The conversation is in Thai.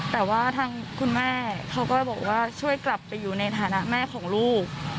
แต่ว่าทางคุณแม่เขาก็บอกว่าช่วยกลับไปอยู่ในฐานะแม่ของลูก